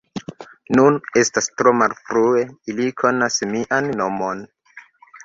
Nun, estas tro malfrue, ili konas mian nomon.